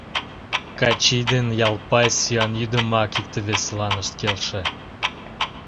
Качий ден Ялпай сӱан йӱдымак икте-весылан ышт келше.